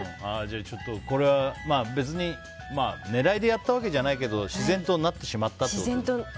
これは別に狙いでやったわけじゃないけど自然となってしまったという。